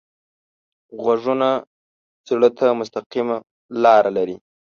غږونه زړه ته مستقیم لاره لري